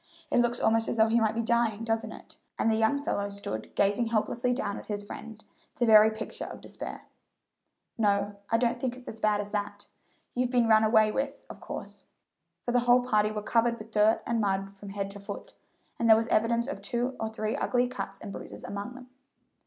It looks almost as though he might be dying, doesn't it?" and the young fellow stood gazing helplessly down at his friend, the very picture of despair. "No; I don't think it's as bad as that. You've been run away with, of course," for the whole party were covered with mud and dirt from head to foot, and there was evidence of two or three ugly cuts and bruises among them.